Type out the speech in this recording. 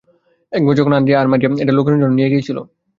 একবার যখন আন্দ্রেয়া আর মারিয়া এটা লুকানোর জন্য নিয়ে গিয়েছিল।